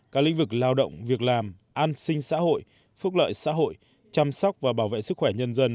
các lĩnh vực lao động việc làm an sinh xã hội phúc lợi xã hội chăm sóc và bảo vệ sức khỏe nhân dân